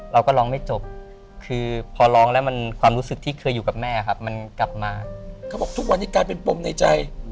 เราก็ร้องไม่จบคือพอร้องแล้วมันความรู้สึกที่เคยอยู่กับแม่ครับมันกลับมาเขาบอกทุกวันนี้กลายเป็นปมในใจ